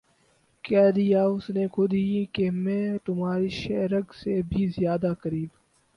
کہہ دیا اس نے خود ہی کہ میں تمھاری شہہ رگ سے بھی زیادہ قریب